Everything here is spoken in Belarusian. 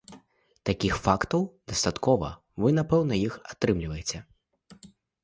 Такіх фактаў дастаткова, вы, напэўна, іх атрымліваеце.